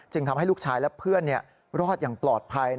ทำให้ลูกชายและเพื่อนรอดอย่างปลอดภัย